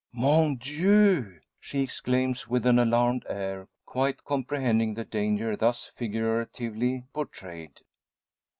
"Mon Dieu!" she exclaims, with an alarmed air, quite comprehending the danger thus figuratively portrayed.